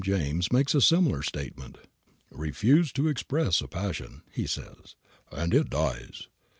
James makes a similar statement. "Refuse to express a passion," he says, "and it dies.